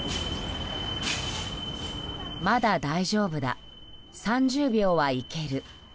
まだ大丈夫だ３０秒はいける。